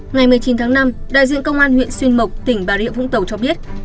ngày một mươi chín tháng năm đại diện công an huyện xuyên mộc tỉnh bà rịa vũng tàu cho biết